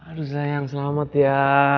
aduh sayang selamat ya